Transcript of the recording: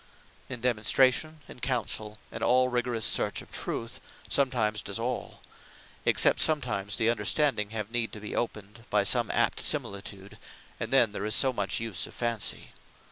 In Demonstration, in Councell, and all rigourous search of Truth, Judgement does all; except sometimes the understanding have need to be opened by some apt similitude; and then there is so much use of Fancy.